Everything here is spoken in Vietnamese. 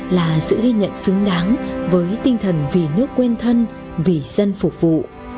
là sự ghi nhận xứng đáng với tinh thần vì nước quên thân vì dân phục vụ